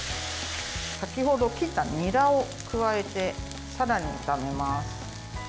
先ほど切ったにらを加えてさらに炒めます。